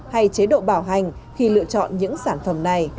hay chế độ bảo hành khi lựa chọn những sản phẩm này